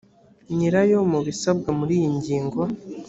nyirayo mu ibisabwa muri iyi ngingo